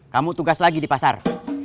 kamu tugas lagi di pasar